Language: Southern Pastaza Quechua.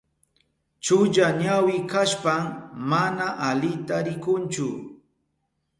Chulla ñawi kashpan mana alita rikunchu.